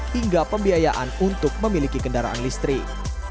hingga pembiayaan untuk memiliki kendaraan listrik